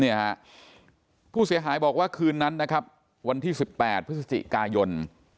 เนี่ยฮะผู้เสียหายบอกว่าคืนนั้นนะครับวันที่๑๘พฤศจิกายน